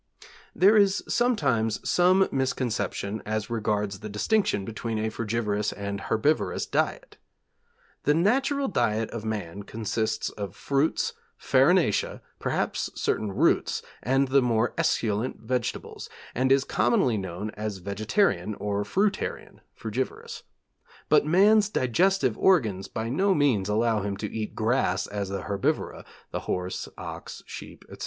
There is sometimes some misconception as regards the distinction between a frugivorous and herbivorous diet. The natural diet of man consists of fruits, farinacea, perhaps certain roots, and the more esculent vegetables, and is commonly known as vegetarian, or fruitarian (frugivorous), but man's digestive organs by no means allow him to eat grass as the herbivora the horse, ox, sheep, etc.